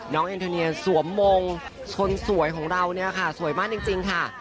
เอ็นโทเนียสวมมงคนสวยของเราเนี่ยค่ะสวยมากจริงค่ะ